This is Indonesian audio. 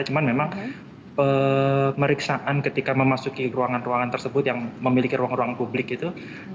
cuma memang pemeriksaan ketika memasuki ruangan ruangan tersebut yang memiliki ruang ruang publik itu